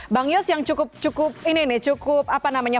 bang yos yang cukup cukup ini nih cukup apa namanya